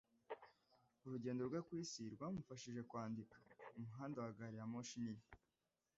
Urugendo rwe ku isi rwamufashije kwandika "Umuhanda wa Gariyamoshi Nini",